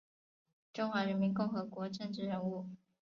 中华人民共和国政治人物。